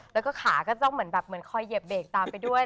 แล้วก็ขาก็ต้องเหมือนคอยเหยียบเบรกตามไปด้วย